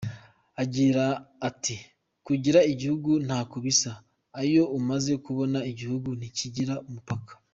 Agira ati “Kugira igihugu ntako bisa! Iyo umaze kubona igihugu ntikigira umupaka.